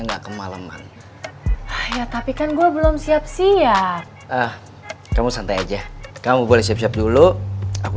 enggak kemaleman ya tapi kan gue belum siap siap kamu santai aja kamu boleh siap siap dulu aku